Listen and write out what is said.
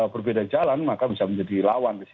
berbeda jalan maka bisa menjadi lawan